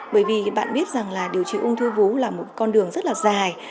bởi vì bạn biết rằng là điều trị ung thư vú là một con đường rất là dài